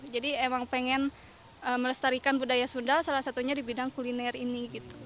jadi memang ingin melestarikan budaya sunda salah satunya di bidang kuliner ini